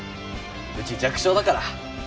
うち弱小だから。